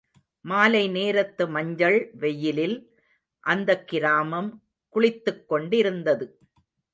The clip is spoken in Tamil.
மாலை நேரத்து மஞ்சள் வெயிலில் அந்தக் கிராமம் குளித்துக் கொண்டிருந்தது.